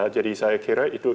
jadi saya kira itu